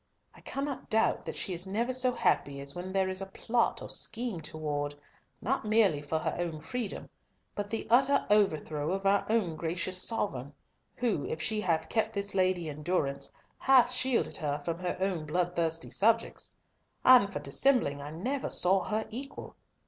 I cannot doubt that she is never so happy as when there is a plot or scheme toward, not merely for her own freedom, but the utter overthrow of our own gracious Sovereign, who, if she hath kept this lady in durance, hath shielded her from her own bloodthirsty subjects. And for dissembling, I never saw her equal.